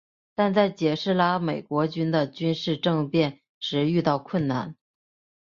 但在解释拉美国家的军事政变时遇到困难。